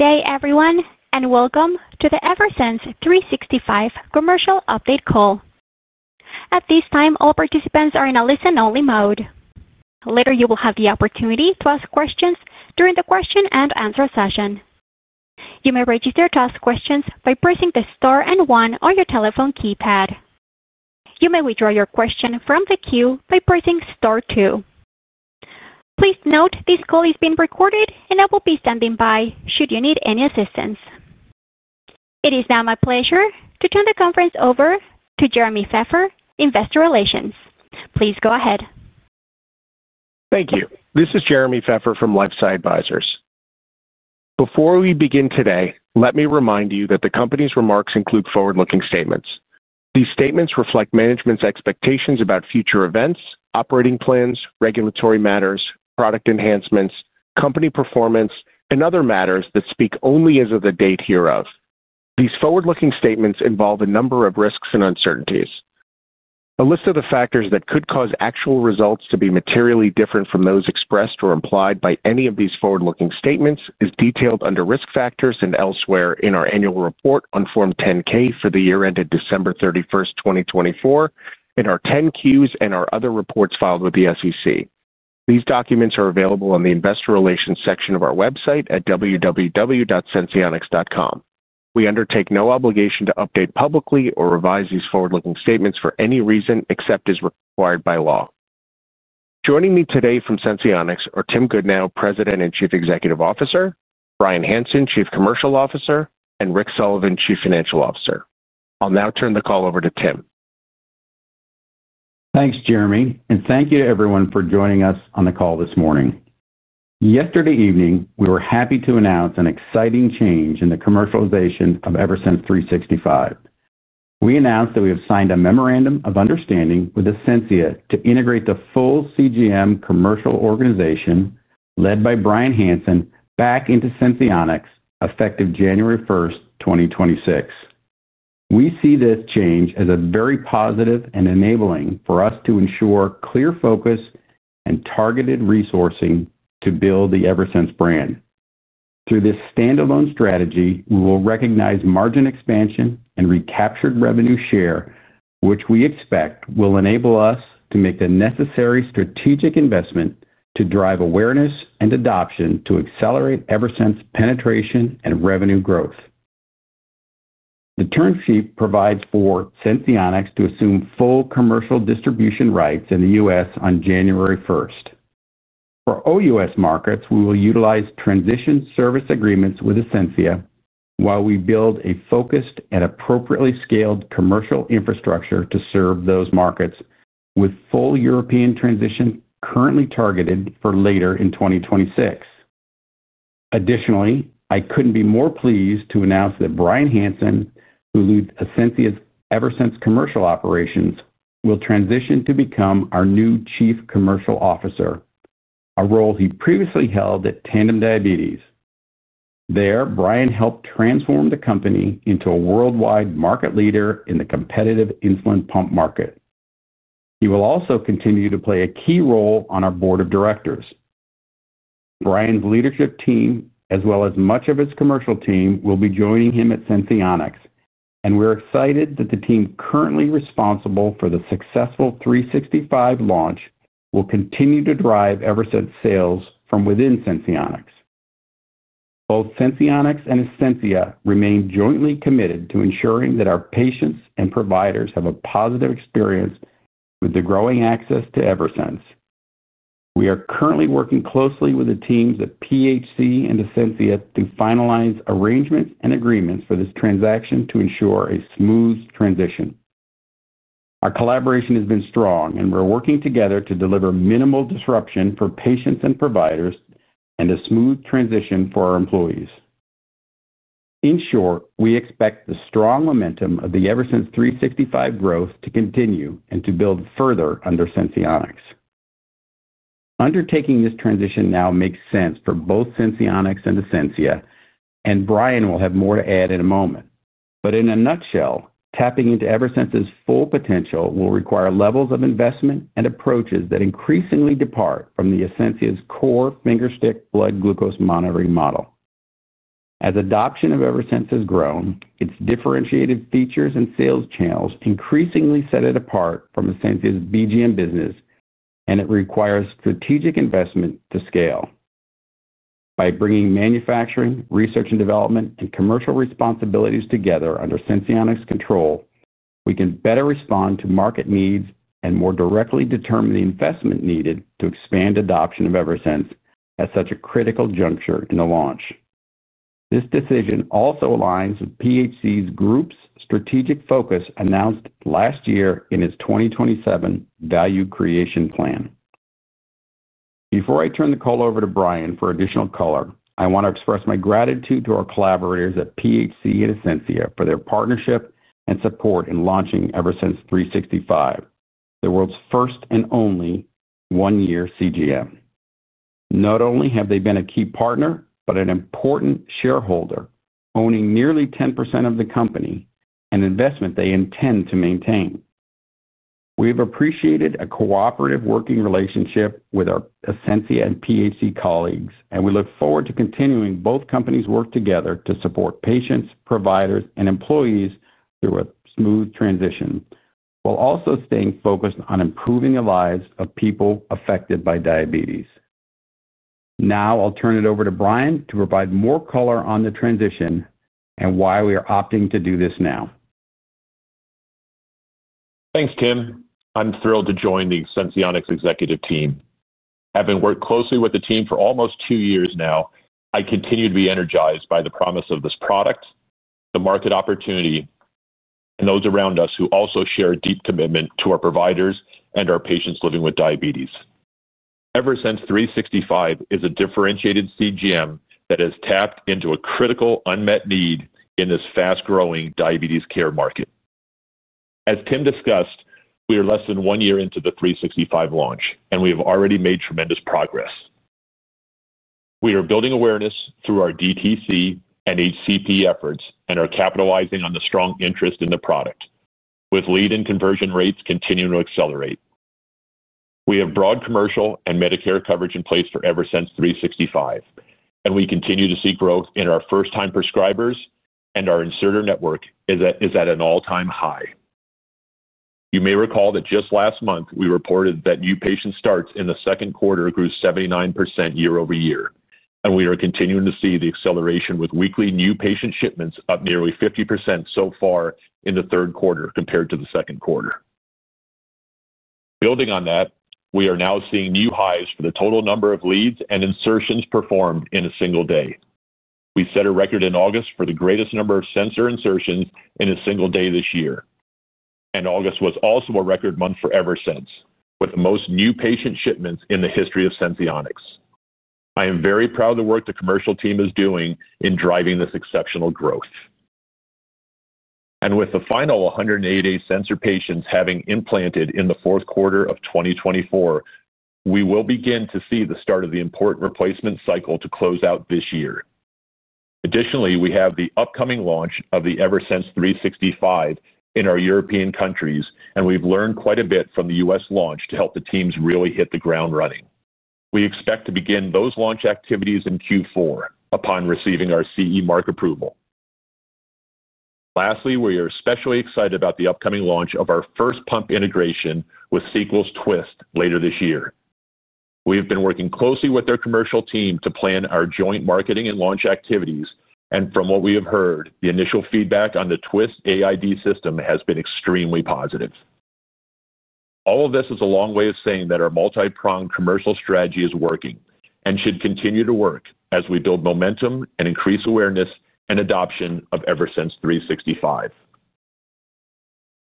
Good day, everyone, and welcome to the Eversense 365 Commercial Update Call. At this time, all participants are in a listen-only mode. Later, you will have the opportunity to ask questions during the question and answer session. You may register to ask questions by pressing the Star and one on your telephone keypad. You may withdraw your question from the queue by pressing Star two. Please note this call is being recorded, and I will be standing by should you need any assistance. It is now my pleasure to turn the conference over to Jeremy Feffer, Investor Relations. Please go ahead. Thank you. This is Jeremy Feffer from LifeSci Advisors. Before we begin today, let me remind you that the company's remarks include forward-looking statements. These statements reflect management's expectations about future events, operating plans, regulatory matters, product enhancements, company performance, and other matters that speak only as of the date hereof. These forward-looking statements involve a number of risks and uncertainties. A list of the factors that could cause actual results to be materially different from those expressed or implied by any of these forward-looking statements is detailed under Risk Factors and elsewhere in our Annual Report on Form 10-K for the year ended December 31, 2024, in our 10-Qs and our other reports filed with the SEC. These documents are available on the Investor Relations section of our website at www.senseonics.com. We undertake no obligation to update publicly or revise these forward-looking statements for any reason except as required by law. Joining me today from Senseonics are Tim Goodnow, President and Chief Executive Officer, Brian Hansen, Chief Commercial Officer, and Rick Sullivan, Chief Financial Officer. I'll now turn the call over to Tim. Thanks, Jeremy, and thank you to everyone for joining us on the call this morning. Yesterday evening, we were happy to announce an exciting change in the commercialization of Eversense 365. We announced that we have signed a Memorandum of Understanding with Ascensia to integrate the full CGM commercial organization led by Brian Hansen back into Senseonics effective January 1, 2026. We see this change as very positive and enabling for us to ensure clear focus and targeted resourcing to build the Eversense brand. Through this standalone strategy, we will recognize margin expansion and recaptured revenue share, which we expect will enable us to make the necessary strategic investment to drive awareness and adoption to accelerate Eversense penetration and revenue growth. The term sheet provides for Senseonics to assume full commercial distribution rights in the U.S. on January 1. For all U.S. markets, we will utilize transition service agreements with Ascensia while we build a focused and appropriately scaled commercial infrastructure to serve those markets, with full European transition currently targeted for later in 2026. Additionally, I couldn't be more pleased to announce that Brian Hansen, who leads Ascensia's Eversense commercial operations, will transition to become our new Chief Commercial Officer, a role he previously held at Tandem Diabetes. There, Brian helped transform the company into a worldwide market leader in the competitive insulin pump market. He will also continue to play a key role on our board of directors. Brian's leadership team, as well as much of his commercial team, will be joining him at Senseonics, and we're excited that the team currently responsible for the successful 365 launch will continue to drive Eversense sales from within Senseonics. Both Senseonics and Ascensia remain jointly committed to ensuring that our patients and providers have a positive experience with the growing access to Eversense. We are currently working closely with the teams at PHC and Ascensia to finalize arrangements and agreements for this transaction to ensure a smooth transition. Our collaboration has been strong, and we're working together to deliver minimal disruption for patients and providers and a smooth transition for our employees. In short, we expect the strong momentum of the Eversense 365 growth to continue and to build further under Senseonics. Undertaking this transition now makes sense for both Senseonics and Ascensia, and Brian will have more to add in a moment. But in a nutshell, tapping into Eversense's full potential will require levels of investment and approaches that increasingly depart from the Ascensia's core fingerstick blood glucose monitoring model. As adoption of Eversense has grown, its differentiated features and sales channels increasingly set it apart from Ascensia's BGM business, and it requires strategic investment to scale. By bringing manufacturing, research and development, and commercial responsibilities together under Senseonics' control, we can better respond to market needs and more directly determine the investment needed to expand adoption of Eversense at such a critical juncture in the launch. This decision also aligns with PHC Group's strategic focus announced last year in its 2027 Value Creation Plan. Before I turn the call over to Brian for additional color, I want to express my gratitude to our collaborators at PHC and Ascensia for their partnership and support in launching Eversense 365, the world's first and only one-year CGM. Not only have they been a key partner, but an important shareholder, owning nearly 10% of the company and investment they intend to maintain. We have appreciated a cooperative working relationship with our Ascensia and PHC colleagues, and we look forward to continuing both companies' work together to support patients, providers, and employees through a smooth transition while also staying focused on improving the lives of people affected by diabetes. Now I'll turn it over to Brian to provide more color on the transition and why we are opting to do this now. Thanks, Tim. I'm thrilled to join the Senseonics executive team. Having worked closely with the team for almost two years now, I continue to be energized by the promise of this product, the market opportunity, and those around us who also share a deep commitment to our providers and our patients living with diabetes. Eversense 365 is a differentiated CGM that has tapped into a critical unmet need in this fast-growing diabetes care market. As Tim discussed, we are less than one year into the 365 launch, and we have already made tremendous progress. We are building awareness through our DTC and HCP efforts and are capitalizing on the strong interest in the product, with lead and conversion rates continuing to accelerate. We have broad commercial and Medicare coverage in place for Eversense 365, and we continue to see growth in our first-time prescribers, and our inserter network is at an all-time high. You may recall that just last month, we reported that new patient starts in the second quarter grew 79% year over year, and we are continuing to see the acceleration with weekly new patient shipments up nearly 50% so far in the third quarter compared to the second quarter. Building on that, we are now seeing new highs for the total number of leads and insertions performed in a single day. We set a record in August for the greatest number of sensor insertions in a single day this year, and August was also a record month for Eversense, with the most new patient shipments in the history of Senseonics. I am very proud of the work the commercial team is doing in driving this exceptional growth, and with the final 180-sensor patients having implanted in the fourth quarter of 2024, we will begin to see the start of the important replacement cycle to close out this year. Additionally, we have the upcoming launch of the Eversense 365 in our European countries, and we've learned quite a bit from the U.S. launch to help the teams really hit the ground running. We expect to begin those launch activities in Q4 upon receiving our CE Mark approval. Lastly, we are especially excited about the upcoming launch of our first pump integration with Sequel's Twist later this year. We have been working closely with their commercial team to plan our joint marketing and launch activities, and from what we have heard, the initial feedback on the Twist AID system has been extremely positive. All of this is a long way of saying that our multi-pronged commercial strategy is working and should continue to work as we build momentum and increase awareness and adoption of Eversense 365.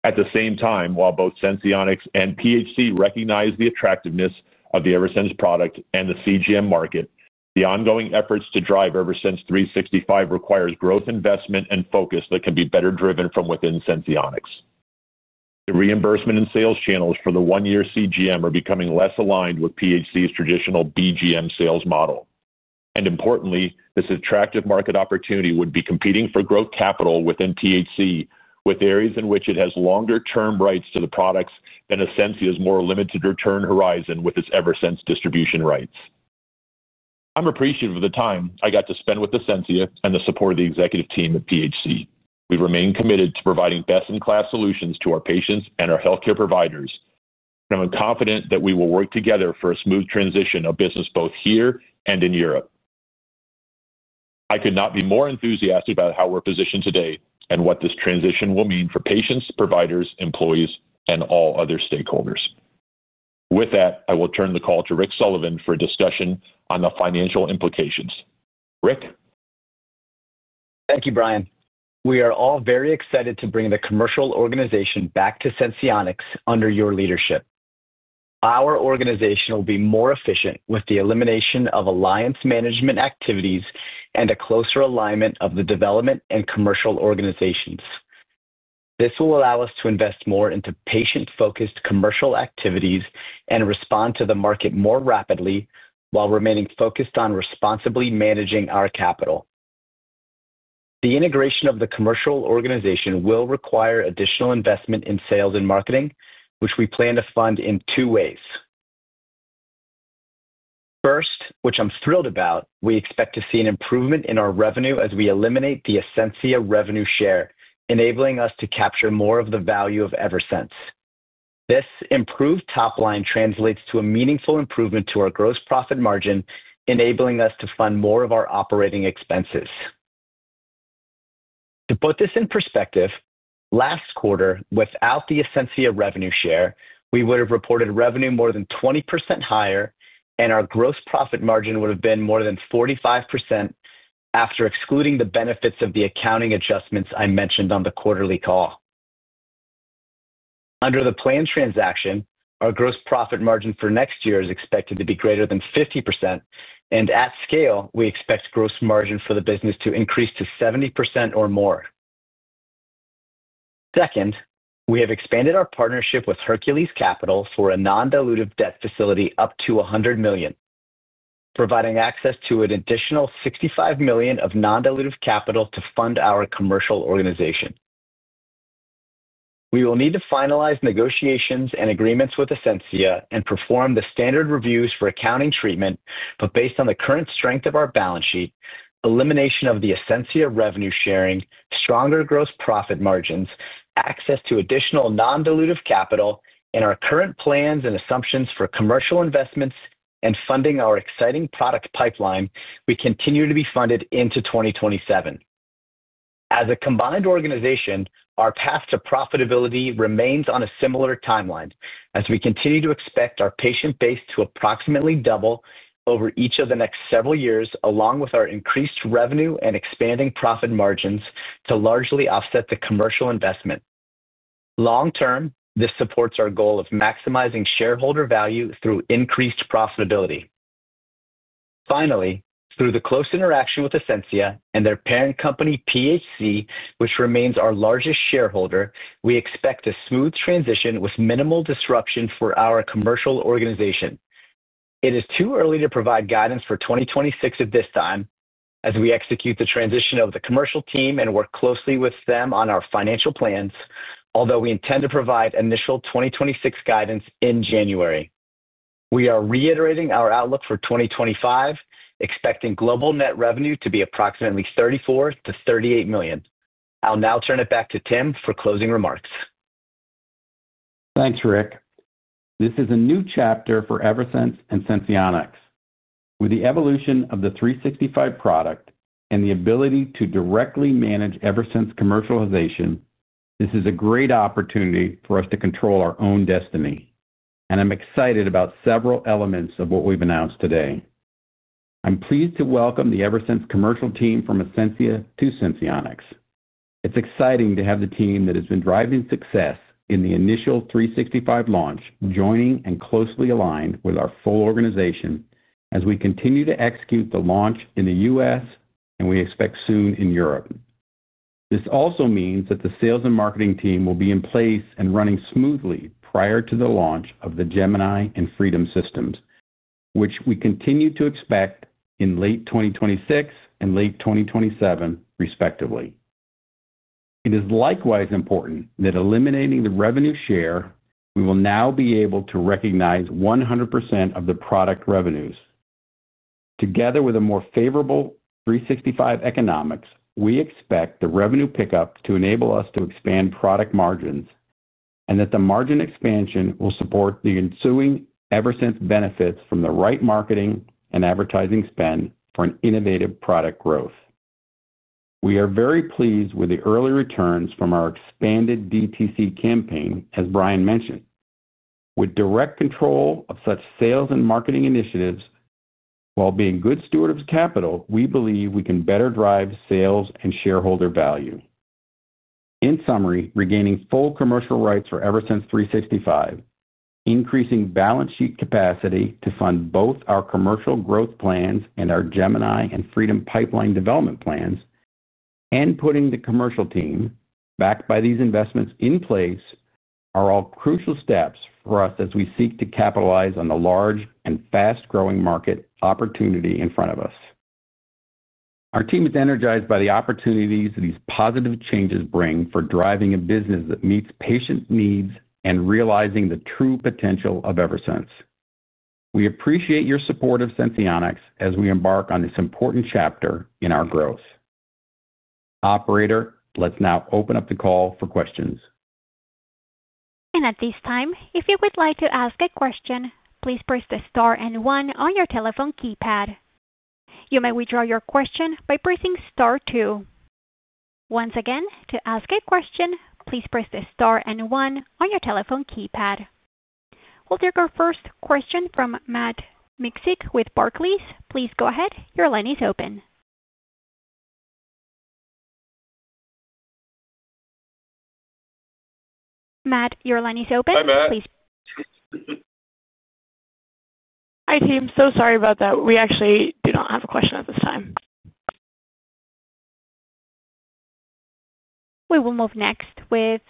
At the same time, while both Senseonics and PHC recognize the attractiveness of the Eversense product and the CGM market, the ongoing efforts to drive Eversense 365 require growth investment and focus that can be better driven from within Senseonics. The reimbursement and sales channels for the one-year CGM are becoming less aligned with PHC's traditional BGM sales model. And importantly, this attractive market opportunity would be competing for growth capital within PHC, with areas in which it has longer-term rights to the products than Ascensia's more limited return horizon with its Eversense distribution rights. I'm appreciative of the time I got to spend with Ascensia and the support of the executive team at PHC. We remain committed to providing best-in-class solutions to our patients and our healthcare providers, and I'm confident that we will work together for a smooth transition of business both here and in Europe. I could not be more enthusiastic about how we're positioned today and what this transition will mean for patients, providers, employees, and all other stakeholders. With that, I will turn the call to Rick Sullivan for a discussion on the financial implications. Rick? Thank you, Brian. We are all very excited to bring the commercial organization back to Senseonics under your leadership. Our organization will be more efficient with the elimination of alliance management activities and a closer alignment of the development and commercial organizations. This will allow us to invest more into patient-focused commercial activities and respond to the market more rapidly while remaining focused on responsibly managing our capital. The integration of the commercial organization will require additional investment in sales and marketing, which we plan to fund in two ways. First, which I'm thrilled about, we expect to see an improvement in our revenue as we eliminate the Ascensia revenue share, enabling us to capture more of the value of Eversense. This improved top line translates to a meaningful improvement to our gross profit margin, enabling us to fund more of our operating expenses. To put this in perspective, last quarter, without the Ascensia revenue share, we would have reported revenue more than 20% higher, and our gross profit margin would have been more than 45% after excluding the benefits of the accounting adjustments I mentioned on the quarterly call. Under the planned transaction, our gross profit margin for next year is expected to be greater than 50%, and at scale, we expect gross margin for the business to increase to 70% or more. Second, we have expanded our partnership with Hercules Capital for a non-dilutive debt facility up to $100 million, providing access to an additional $65 million of non-dilutive capital to fund our commercial organization. We will need to finalize negotiations and agreements with Ascensia and perform the standard reviews for accounting treatment, but based on the current strength of our balance sheet, elimination of the Ascensia revenue sharing, stronger gross profit margins, access to additional non-dilutive capital, and our current plans and assumptions for commercial investments and funding our exciting product pipeline, we continue to be funded into 2027. As a combined organization, our path to profitability remains on a similar timeline as we continue to expect our patient base to approximately double over each of the next several years, along with our increased revenue and expanding profit margins to largely offset the commercial investment. Long-term, this supports our goal of maximizing shareholder value through increased profitability. Finally, through the close interaction with Ascensia and their parent company PHC, which remains our largest shareholder, we expect a smooth transition with minimal disruption for our commercial organization. It is too early to provide guidance for 2026 at this time as we execute the transition of the commercial team and work closely with them on our financial plans, although we intend to provide initial 2026 guidance in January. We are reiterating our outlook for 2025, expecting global net revenue to be approximately $34 million to $38 million. I'll now turn it back to Tim for closing remarks. Thanks, Rick. This is a new chapter for Eversense and Senseonics. With the evolution of the 365 product and the ability to directly manage Eversense commercialization, this is a great opportunity for us to control our own destiny, and I'm excited about several elements of what we've announced today. I'm pleased to welcome the Eversense commercial team from Ascensia to Senseonics. It's exciting to have the team that has been driving success in the initial 365 launch joining and closely aligned with our full organization as we continue to execute the launch in the U.S., and we expect soon in Europe. This also means that the sales and marketing team will be in place and running smoothly prior to the launch of the Gemini and Freedom systems, which we continue to expect in late 2026 and late 2027, respectively. It is likewise important that eliminating the revenue share, we will now be able to recognize 100% of the product revenues. Together with a more favorable 365 economics, we expect the revenue pickup to enable us to expand product margins and that the margin expansion will support the ensuing Eversense benefits from the right marketing and advertising spend for an innovative product growth. We are very pleased with the early returns from our expanded DTC campaign, as Brian mentioned. With direct control of such sales and marketing initiatives, while being good stewards of capital, we believe we can better drive sales and shareholder value. In summary, regaining full commercial rights for Eversense 365, increasing balance sheet capacity to fund both our commercial growth plans and our Gemini and Freedom pipeline development plans, and putting the commercial team back by these investments in place are all crucial steps for us as we seek to capitalize on the large and fast-growing market opportunity in front of us. Our team is energized by the opportunities that these positive changes bring for driving a business that meets patient needs and realizing the true potential of Eversense. We appreciate your support of Senseonics as we embark on this important chapter in our growth. Operator, let's now open up the call for questions. At this time, if you would like to ask a question, please press the star and one on your telephone keypad. You may withdraw your question by pressing star two. Once again, to ask a question, please press the star and one on your telephone keypad. We'll take our first question from Matt Miksic with Barclays. Please go ahead. Your line is open. Matt, your line is open. Hi, Matt. Hi, Tim. So sorry about that. We actually do not have a question at this time. We will move next with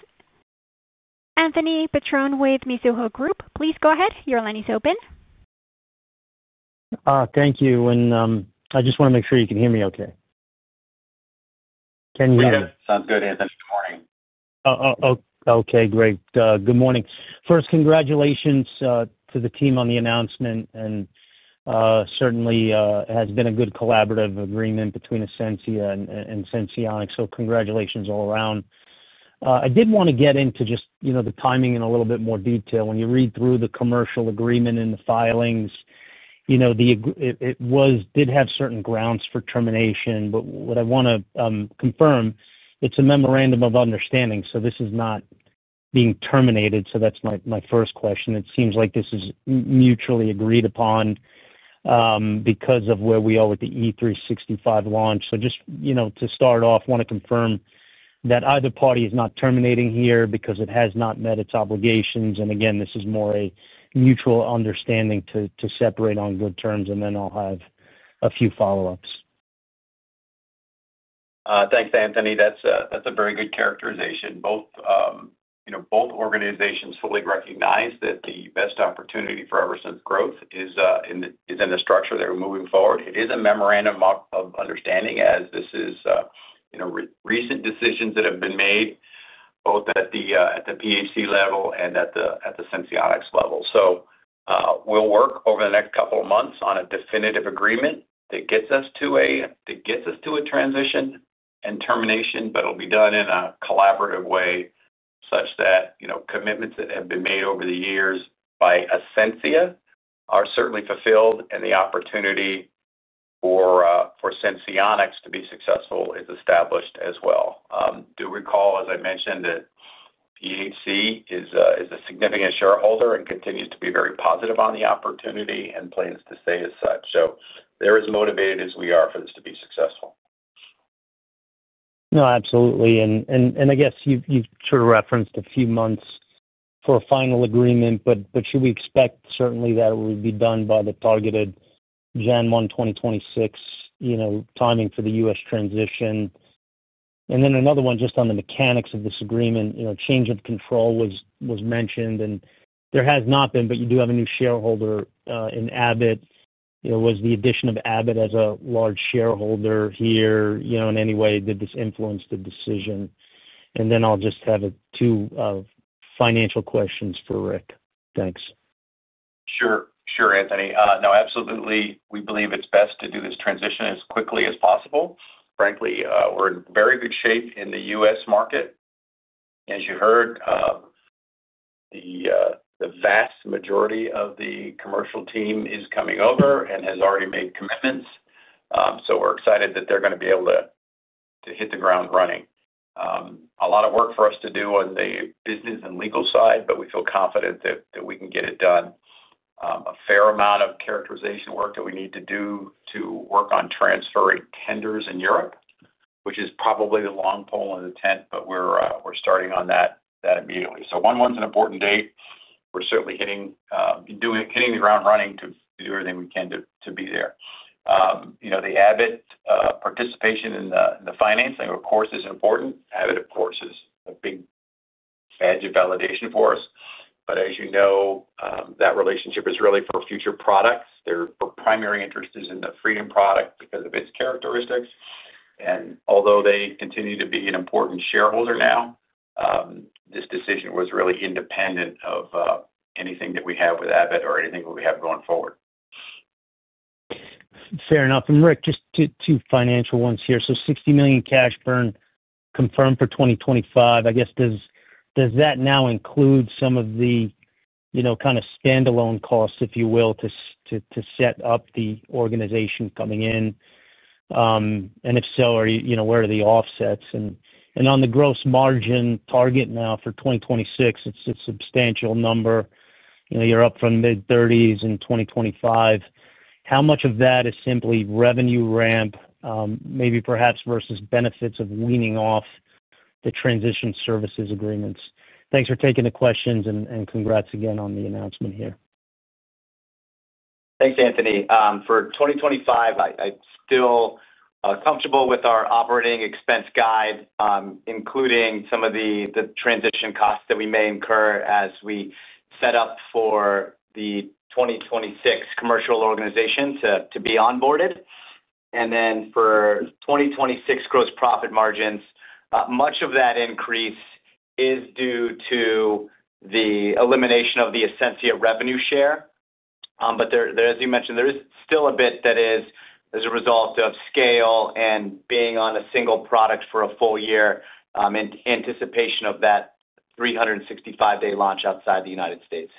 Anthony Petrone with Mizuho Group. Please go ahead. Your line is open. Thank you. And I just want to make sure you can hear me okay. Can you hear me? Yeah. Sounds good, Anthony. Good morning. Oh, okay. Great. Good morning. First, congratulations to the team on the announcement, and certainly, it has been a good collaborative agreement between Ascensia and Senseonics, so congratulations all around. I did want to get into just the timing in a little bit more detail. When you read through the commercial agreement and the filings, it did have certain grounds for termination, but what I want to confirm, it's a memorandum of understanding, so this is not being terminated. So that's my first question. It seems like this is mutually agreed upon because of where we are with the E365 launch. So just to start off, I want to confirm that either party is not terminating here because it has not met its obligations, and again, this is more a mutual understanding to separate on good terms, and then I'll have a few follow-ups. Thanks, Anthony. That's a very good characterization. Both organizations fully recognize that the best opportunity for Eversense growth is in the structure they're moving forward. It is a memorandum of understanding as these are recent decisions that have been made both at the PHC level and at the Senseonics level. So we'll work over the next couple of months on a definitive agreement that gets us to a transition and termination, but it'll be done in a collaborative way such that commitments that have been made over the years by Ascensia are certainly fulfilled, and the opportunity for Senseonics to be successful is established as well. Do recall, as I mentioned, that PHC is a significant shareholder and continues to be very positive on the opportunity and plans to stay as such. So they're as motivated as we are for this to be successful. No, absolutely. And I guess you've sort of referenced a few months for a final agreement, but should we expect certainly that it will be done by the targeted January 1, 2026 timing for the U.S. transition? And then another one just on the mechanics of this agreement, change of control was mentioned, and there has not been, but you do have a new shareholder in Abbott. Was the addition of Abbott as a large shareholder here in any way that this influenced the decision? And then I'll just have two financial questions for Rick. Thanks. Sure. Sure, Anthony. No, absolutely. We believe it's best to do this transition as quickly as possible. Frankly, we're in very good shape in the U.S. market. As you heard, the vast majority of the commercial team is coming over and has already made commitments. So we're excited that they're going to be able to hit the ground running. A lot of work for us to do on the business and legal side, but we feel confident that we can get it done. A fair amount of characterization work that we need to do to work on transferring tenders in Europe, which is probably the long pole in the tent, but we're starting on that immediately. So one month's an important date. We're certainly hitting the ground running to do everything we can to be there. The Abbott participation in the financing, of course, is important. Abbott, of course, is a big badge of validation for us. But as you know, that relationship is really for future products. Their primary interest is in the Freedom product because of its characteristics. And although they continue to be an important shareholder now, this decision was really independent of anything that we have with Abbott or anything that we have going forward. Fair enough. And Rick, just two financial ones here. So $60 million cash burn confirmed for 2025. I guess does that now include some of the kind of standalone costs, if you will, to set up the organization coming in? And if so, where are the offsets? And on the gross margin target now for 2026, it's a substantial number. You're up from mid-30s% in 2025. How much of that is simply revenue ramp, maybe perhaps versus benefits of weaning off the transition services agreements? Thanks for taking the questions, and congrats again on the announcement here. Thanks, Anthony. For 2025, I'm still comfortable with our operating expense guide, including some of the transition costs that we may incur as we set up for the 2026 commercial organization to be onboarded. And then for 2026 gross profit margins, much of that increase is due to the elimination of the Ascensia revenue share. But as you mentioned, there is still a bit that is as a result of scale and being on a single product for a full year in anticipation of that 365-day launch outside the United States.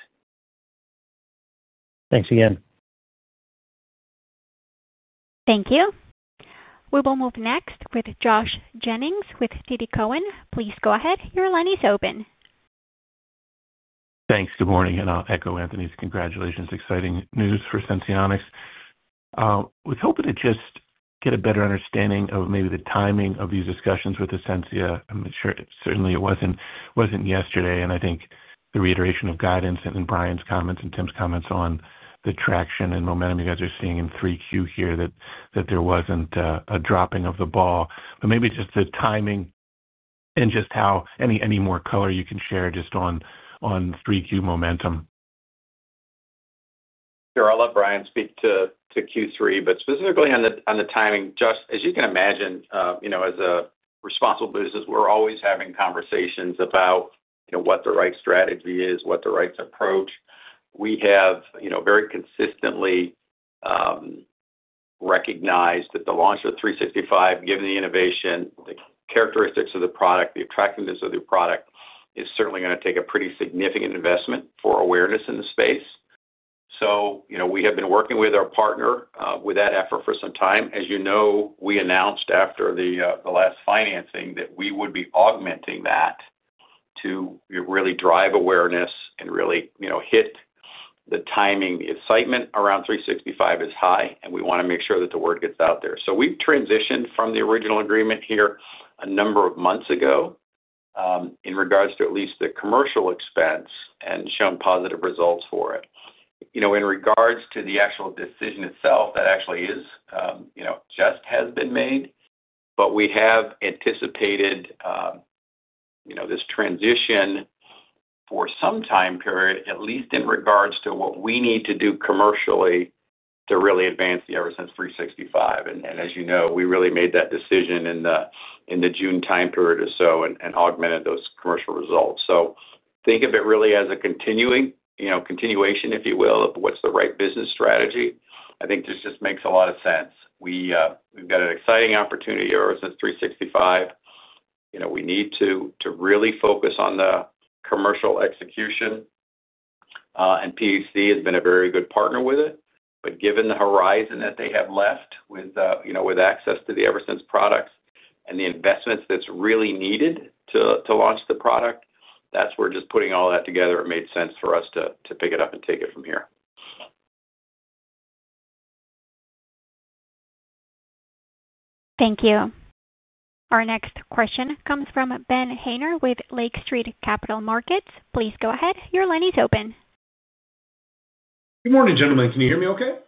Thanks again. Thank you. We will move next with Joshua Jennings with TD Cowen. Please go ahead. Your line is open. Thanks. Good morning. And I'll echo Anthony's congratulations. Exciting news for Senseonics. I was hoping to just get a better understanding of maybe the timing of these discussions with Ascensia. I'm sure certainly it wasn't yesterday. And I think the reiteration of guidance and Brian's comments and Tim's comments on the traction and momentum you guys are seeing in 3Q here, that there wasn't a dropping of the ball. But maybe just the timing and just how any more color you can share just on 3Q momentum? Sure. I'll let Brian speak to Q3, but specifically on the timing. Just as you can imagine, as a responsible business, we're always having conversations about what the right strategy is, what the right approach. We have very consistently recognized that the launch of 365, given the innovation, the characteristics of the product, the attractiveness of the product, is certainly going to take a pretty significant investment for awareness in the space. So we have been working with our partner with that effort for some time. As you know, we announced after the last financing that we would be augmenting that to really drive awareness and really hit the timing. The excitement around 365 is high, and we want to make sure that the word gets out there. So we've transitioned from the original agreement here a number of months ago in regards to at least the commercial expense and shown positive results for it. In regards to the actual decision itself, that actually just has been made, but we have anticipated this transition for some time period, at least in regards to what we need to do commercially to really advance the Eversense 365. And as you know, we really made that decision in the June time period or so and augmented those commercial results. So think of it really as a continuation, if you will, of what's the right business strategy. I think this just makes a lot of sense. We've got an exciting opportunity at Eversense 365. We need to really focus on the commercial execution, and PHC has been a very good partner with it. But given the horizon that they have left with access to the Eversense products and the investments that's really needed to launch the product, that's where just putting all that together made sense for us to pick it up and take it from here. Thank you. Our next question comes from Ben Haynor with Lake Street Capital Markets. Please go ahead. Your line is open. Good morning, gentlemen. Can you hear me okay?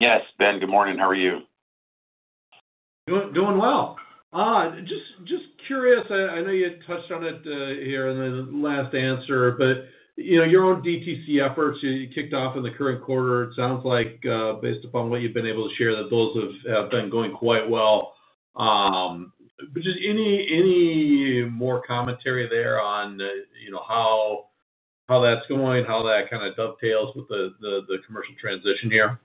Yes, Ben. Good morning. How are you? Doing well. Just curious, I know you had touched on it here in the last answer, but your own DTC efforts, you kicked off in the current quarter. It sounds like, based upon what you've been able to share, that those have been going quite well. But just any more commentary there on how that's going, how that kind of dovetails with the commercial transition here?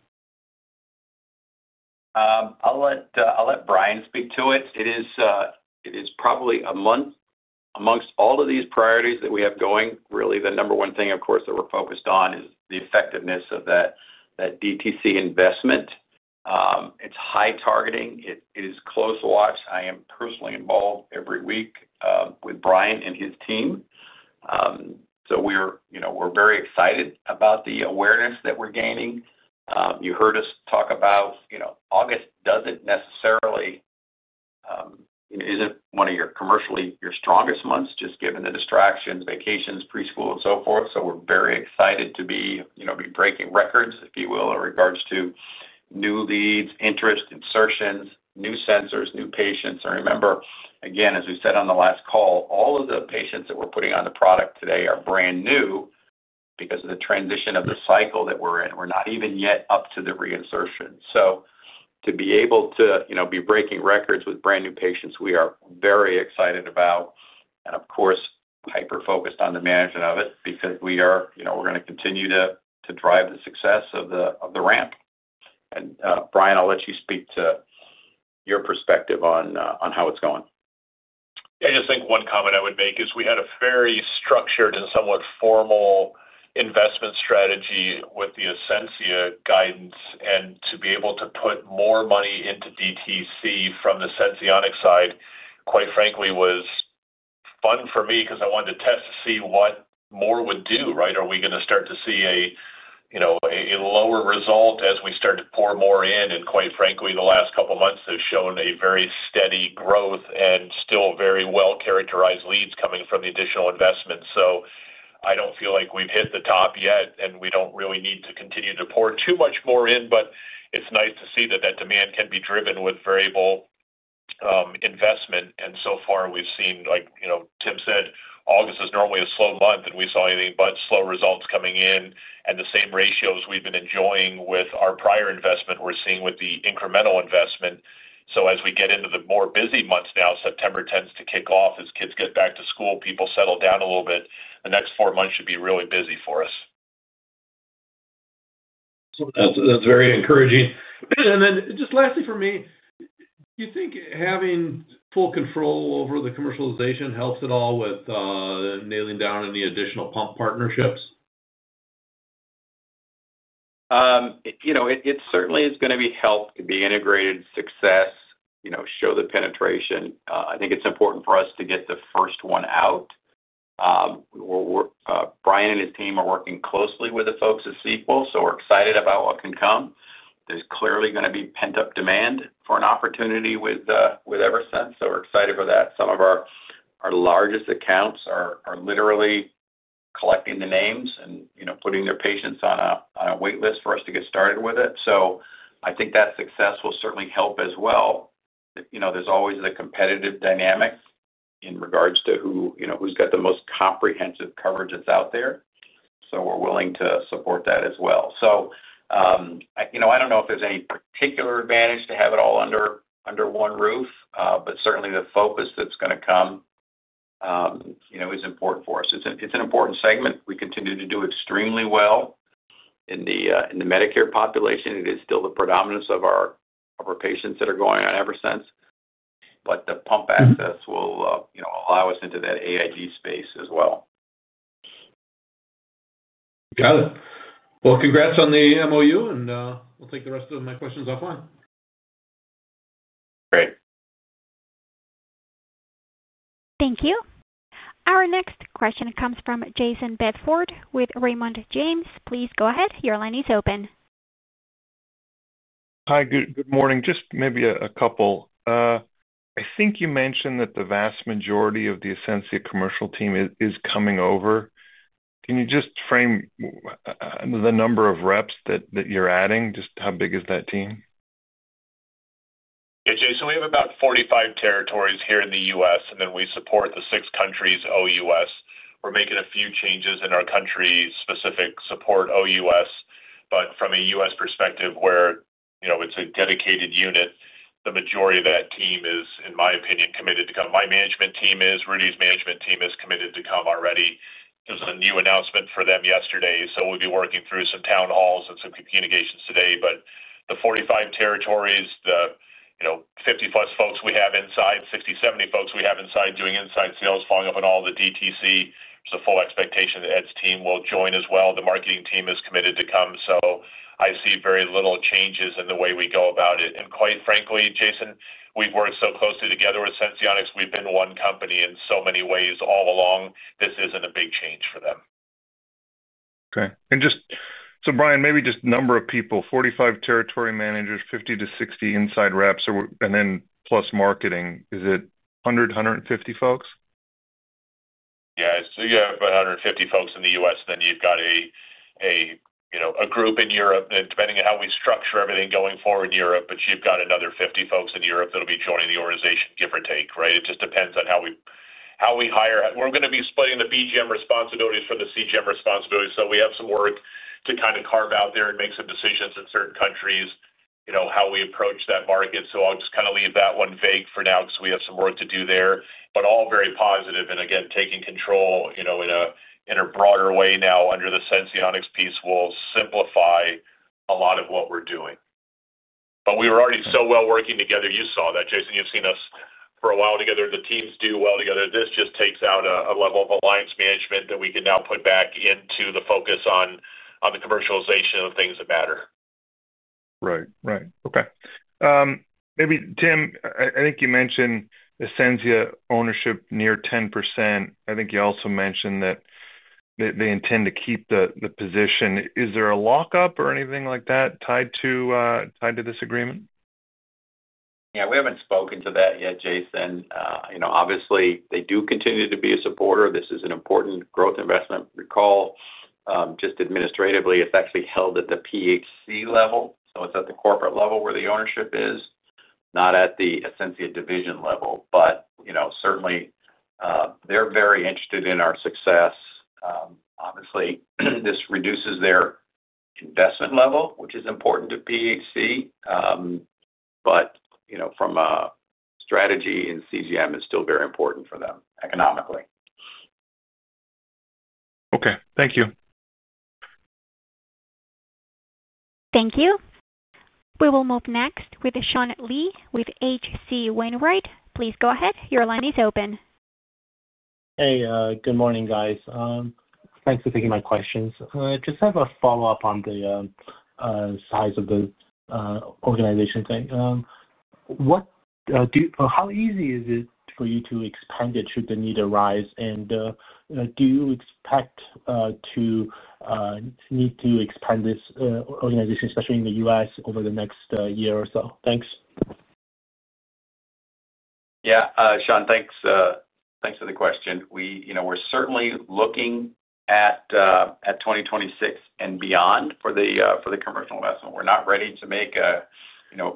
I'll let Brian speak to it. It is probably a month among all of these priorities that we have going. Really, the number one thing, of course, that we're focused on is the effectiveness of that DTC investment. It's high targeting. It is close watch. I am personally involved every week with Brian and his team. So we're very excited about the awareness that we're gaining. You heard us talk about August isn't necessarily one of your commercially strongest months, just given the distractions, vacations, preschool, and so forth. So we're very excited to be breaking records, if you will, in regards to new leads, interest, insertions, new sensors, new patients, and remember, again, as we said on the last call, all of the patients that we're putting on the product today are brand new because of the transition of the cycle that we're in. We're not even yet up to the reinsertion, so to be able to be breaking records with brand new patients, we are very excited about, and of course, hyper-focused on the management of it because we're going to continue to drive the success of the ramp, and Brian, I'll let you speak to your perspective on how it's going. I just think one comment I would make is we had a very structured and somewhat formal investment strategy with the Ascensia guidance, and to be able to put more money into DTC from the Senseonics side, quite frankly, was fun for me because I wanted to test to see what more would do, right? Are we going to start to see a lower result as we start to pour more in, and quite frankly, the last couple of months have shown a very steady growth and still very well-characterized leads coming from the additional investment, so I don't feel like we've hit the top yet, and we don't really need to continue to pour too much more in, but it's nice to see that that demand can be driven with variable investment. And so far, we've seen, like Tim said, August is normally a slow month, and we saw anything but slow results coming in. And the same ratios we've been enjoying with our prior investment, we're seeing with the incremental investment. So as we get into the more busy months now, September tends to kick off as kids get back to school, people settle down a little bit. The next four months should be really busy for us. That's very encouraging. And then just lastly for me, do you think having full control over the commercialization helps at all with nailing down any additional pump partnerships? It certainly is going to be helpful, being integrated success show the penetration. I think it's important for us to get the first one out. Brian and his team are working closely with the folks at Sequel, so we're excited about what can come. There's clearly going to be pent-up demand for an opportunity with Eversense, so we're excited for that. Some of our largest accounts are literally collecting the names and putting their patients on a waitlist for us to get started with it. So I think that success will certainly help as well. There's always a competitive dynamic in regards to who's got the most comprehensive coverage that's out there. So we're willing to support that as well. So I don't know if there's any particular advantage to have it all under one roof, but certainly the focus that's going to come is important for us. It's an important segment. We continue to do extremely well in the Medicare population. It is still the predominance of our patients that are going on Eversense, but the pump access will allow us into that AID space as well. Got it. Well, congrats on the MOU, and I'll take the rest of my questions offline. Great. Thank you. Our next question comes from Jason Bedford with Raymond James. Please go ahead. Your line is open. Hi, Good morning. Just maybe a couple. I think you mentioned that the vast majority of the Ascensia commercial team is coming over. Can you just frame the number of reps that you're adding? Just how big is that team? Yeah, Jason, we have about 45 territories here in the U.S., and then we support the six countries OUS. We're making a few changes in our country-specific support OUS. But from a U.S. perspective, where it's a dedicated unit, the majority of that team is, in my opinion, committed to come. My management team is Rudy's management team is committed to come already. There was a new announcement for them yesterday. So we'll be working through some town halls and some communications today. But the 45 territories, the 50-plus folks we have inside, 60, 70 folks we have inside doing inside sales, following-up on all the DTC, there's a full expectation that Ed's team will join as well. The marketing team is committed to come. So I see very little changes in the way we go about it. And quite frankly, Jason, we've worked so closely together with Senseonics. We've been one company in so many ways all along. This isn't a big change for them. Okay. And just so Brian, maybe just number of people, 45 territory managers, 50 to 60 inside reps, and then plus marketing. Is it 100, 150 folks? Yeah. So you have about 150 folks in the U.S., then you've got a group in Europe, depending on how we structure everything going forward in Europe, but you've got another 50 folks in Europe that'll be joining the organization, give or take, right? It just depends on how we hire. We're going to be splitting the BGM responsibilities from the CGM responsibilities. So we have some work to kind of carve out there and make some decisions in certain countries, how we approach that market. So I'll just kind of leave that one vague for now because we have some work to do there. But all very positive. And again, taking control in a broader way now under the Senseonics piece will simplify a lot of what we're doing. But we were already so well working together. You saw that, Jason. You've seen us for a while together. The teams do well together. This just takes out a level of alliance management that we can now put back into the focus on the commercialization of things that matter. Right. Right. Okay. Maybe Tim, I think you mentioned Ascensia ownership near 10%. I think you also mentioned that they intend to keep the position. Is there a lockup or anything like that tied to this agreement? Yeah. We haven't spoken to that yet, Jason. Obviously, they do continue to be a supporter. This is an important growth investment. Recall, just administratively, it's actually held at the PHC level. So it's at the corporate level where the ownership is, not at the Ascensia division level. But certainly, they're very interested in our success. Obviously, this reduces their investment level, which is important to PHC. But from a strategy and CGM, it's still very important for them economically. Okay. Thank you. Thank you. We will move next with Sean Lee with H.C. Wainwright. Please go ahead. Your line is open. Hey, good morning, guys. Thanks for taking my questions. Just have a follow-up on the size of the organization thing. How easy is it for you to expand it should the need arise? And do you expect to need to expand this organization, especially in the U.S., over the next year or so? Thanks. Yeah. Sean, thanks for the question. We're certainly looking at 2026 and beyond for the commercial investment. We're not ready to make a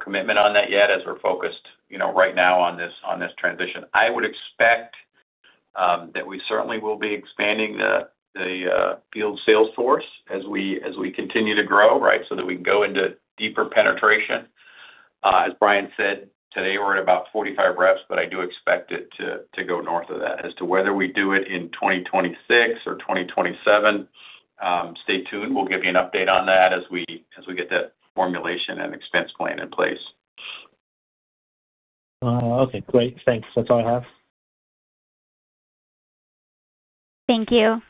commitment on that yet as we're focused right now on this transition. I would expect that we certainly will be expanding the field sales force as we continue to grow, right, so that we can go into deeper penetration. As Brian said, today we're at about 45 reps, but I do expect it to go north of that. As to whether we do it in 2026 or 2027, stay tuned. We'll give you an update on that as we get that formulation and expense plan in place. Okay. Great. Thanks. That's all I have. Thank you.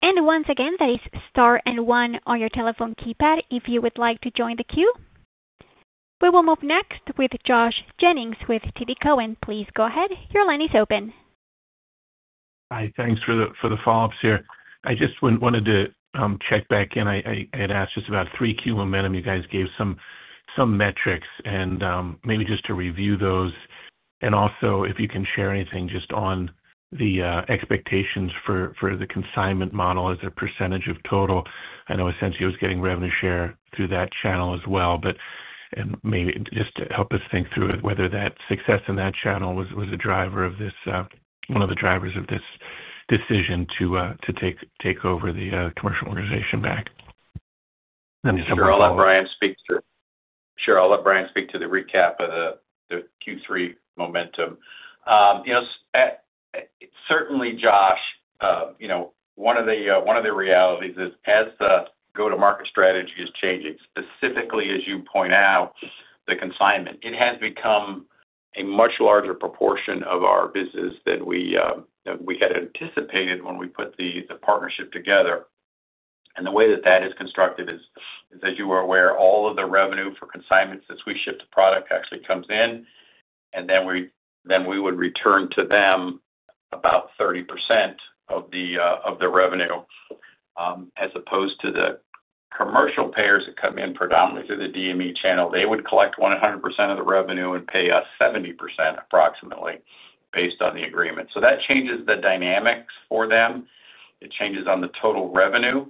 And once again, that is star and one on your telephone keypad if you would like to join the queue. We will move next with Joshua Jennings with TD Cowen. Please go ahead. Your line is open. Hi. Thanks for the follow-ups here. I just wanted to check back in. I had asked just about Q3 momentum. You guys gave some metrics and maybe just to review those. And also, if you can share anything just on the expectations for the consignment model as a percentage of total? I know Ascensia was getting revenue share through that channel as well. And maybe just to help us think through whether that success in that channel was one of the drivers of this decision to take over the commercial organization back. Sure. I'll let Brian speak to the recap of the Q3 momentum. Certainly, Josh, one of the realities is as the go-to-market strategy is changing, specifically, as you point out, the consignment. It has become a much larger proportion of our business than we had anticipated when we put the partnership together. And the way that that is constructed is, as you are aware, all of the revenue for consignments as we ship the product actually comes in. And then we would return to them about 30% of the revenue as opposed to the commercial payers that come in predominantly through the DME channel. They would collect 100% of the revenue and pay us 70% approximately based on the agreement. So that changes the dynamics for them. It changes on the total revenue.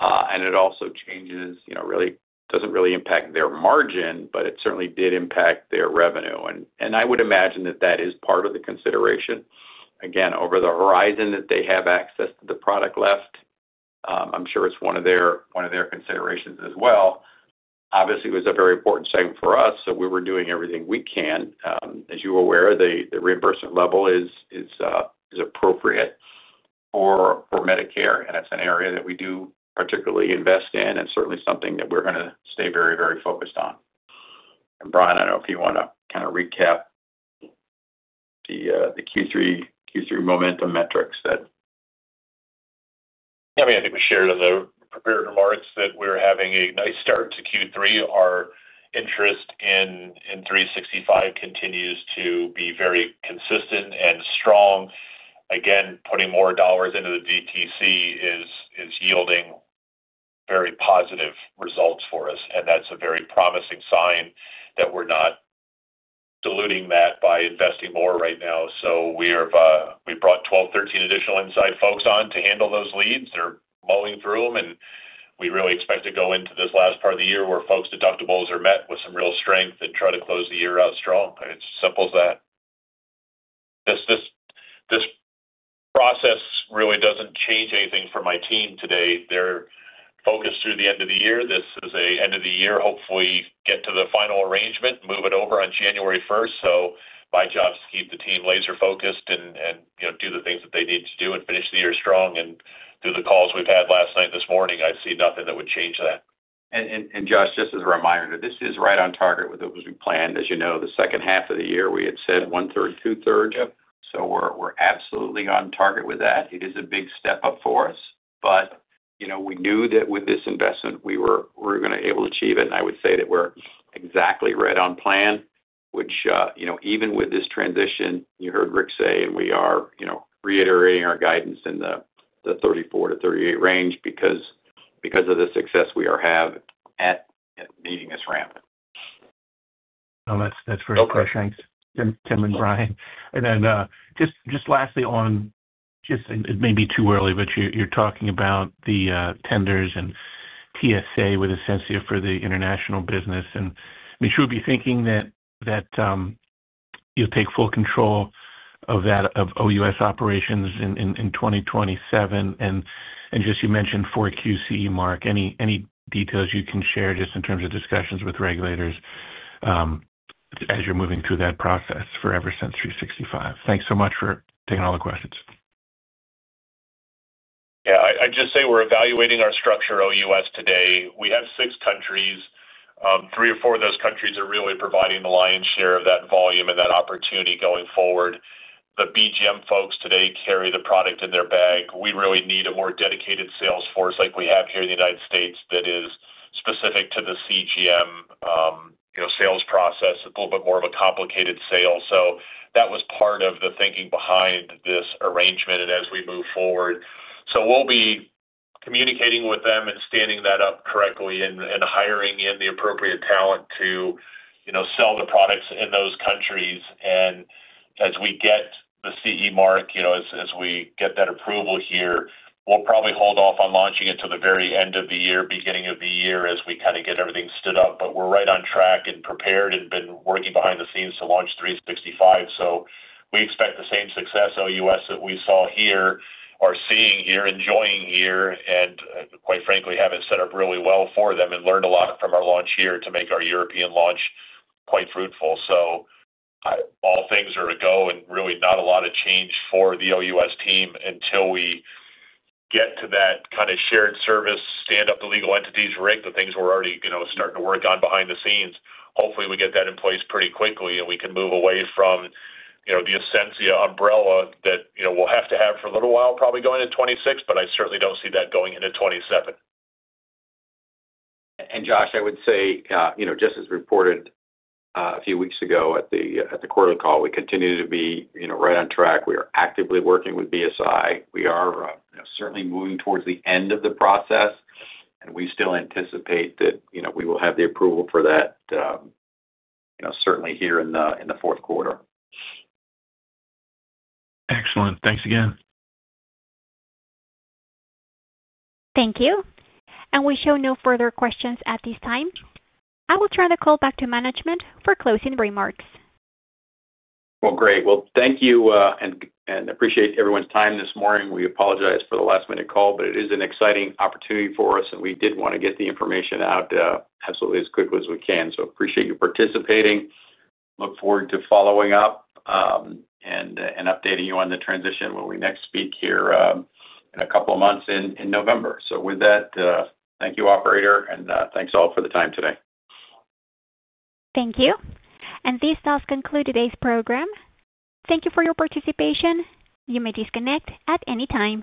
And it also changes really doesn't really impact their margin, but it certainly did impact their revenue. I would imagine that that is part of the consideration. Again, over the horizon that they have access to the product left, I'm sure it's one of their considerations as well. Obviously, it was a very important segment for us. We were doing everything we can. As you are aware, the reimbursement level is appropriate for Medicare. It's an area that we do particularly invest in and certainly something that we're going to stay very, very focused on. Brian, I don't know if you want to kind of recap the Q3 momentum metrics that. Yeah. I mean, I think we shared in the prepared remarks that we're having a nice start to Q3. Our interest in 365 continues to be very consistent and strong. Again, putting more dollars into the DTC is yielding very positive results for us. And that's a very promising sign that we're not diluting that by investing more right now. So we brought 12, 13 additional inside folks on to handle those leads that are moving through them. And we really expect to go into this last part of the year where folks' deductibles are met with some real strength and try to close the year out strong. It's as simple as that. This process really doesn't change anything for my team today. They're focused through the end of the year. This is an end of the year. Hopefully, get to the final arrangement, move it over on January 1st. So my job is to keep the team laser-focused and do the things that they need to do and finish the year strong. And through the calls we've had last night and this morning, I see nothing that would change that. And Josh, just as a reminder, this is right on target with what we planned. As you know, the second half of the year, we had said one-third, two-thirds. So we're absolutely on target with that. It is a big step up for us. But we knew that with this investment, we were going to be able to achieve it. And I would say that we're exactly right on plan, which even with this transition, you heard Rick say, and we are reiterating our guidance in the 34 to 38 range because of the success we have at meeting this ramp. Well, that's very fresh, thanks, Tim and Brian. And then just lastly on just it may be too early, but you're talking about the MOU and TSA with Ascensia for the international business. And I mean, should we be thinking that you'll take full control of that of OUS operations in 2027? And just you mentioned CE mark. Any details you can share just in terms of discussions with regulators as you're moving through that process for Eversense 365? Thanks so much for taking all the questions. Yeah. I'd just say we're evaluating our structure OUS today. We have six countries. Three or four of those countries are really providing the lion's share of that volume and that opportunity going forward. The BGM folks today carry the product in their bag. We really need a more dedicated sales force like we have here in the United States that is specific to the CGM sales process. It's a little bit more of a complicated sale, so that was part of the thinking behind this arrangement and as we move forward, so we'll be communicating with them and standing that up correctly and hiring in the appropriate talent to sell the products in those countries. And as we get the CE Mark, as we get that approval here, we'll probably hold off on launching it to the very end of the year, beginning of the year as we kind of get everything stood up. But we're right on track and prepared and been working behind the scenes to launch 365. So we expect the same success OUS that we saw here are seeing here, enjoying here, and quite frankly, having set up really well for them and learned a lot from our launch year to make our European launch quite fruitful. So all things are to go and really not a lot of change for the OUS team until we get to that kind of shared service, stand up the legal entities, rig the things we're already starting to work on behind the scenes. Hopefully, we get that in place pretty quickly and we can move away from the Ascensia umbrella that we'll have to have for a little while probably going into 2026, but I certainly don't see that going into 2027. Josh, I would say just as reported a few weeks ago at the quarterly call, we continue to be right on track. We are actively working with BSI. We are certainly moving towards the end of the process. And we still anticipate that we will have the approval for that certainly here in the fourth quarter. Excellent. Thanks again. Thank you, and we show no further questions at this time. I will turn the call back to management for closing remarks. Great. Thank you and appreciate everyone's time this morning. We apologize for the last-minute call, but it is an exciting opportunity for us, and we did want to get the information out absolutely as quickly as we can, so appreciate you participating. Look forward to following up and updating you on the transition when we next speak here in a couple of months in November. So, with that, thank you, operator, and thanks all for the time today. Thank you. And this does conclude today's program. Thank you for your participation. You may disconnect at any time.